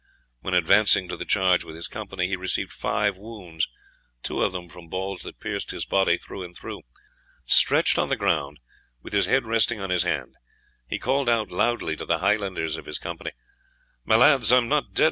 When advancing to the charge with his company, he received five wounds, two of them from balls that pierced his body through and through. Stretched on the ground, with his head resting on his hand, he called out loudly to the Highlanders of his company, "My lads, I am not dead.